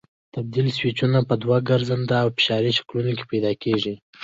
تبدیل سویچونه په دوو ګرځنده او فشاري شکلونو کې پیدا کېږي.